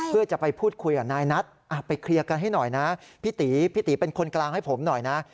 เพื่อจะไปพูดคุยกับนายนัทไปเคลียร์กันให้หน่อยนะพี่ตีพี่ตีเป็นคนกลางให้ผมหน่อยนะ